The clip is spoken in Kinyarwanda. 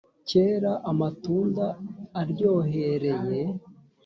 kera amatunda aryohereye,